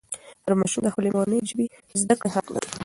هر ماشوم د خپلې مورنۍ ژبې زده کړه حق لري.